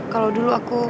kalau dulu aku